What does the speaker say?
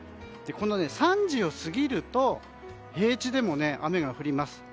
この３時を過ぎると平地でも雨が降ります。